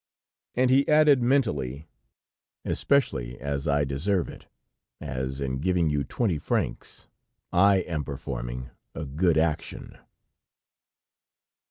And he added, mentally: "Especially as I deserve it, as in giving you twenty francs I am performing a good action."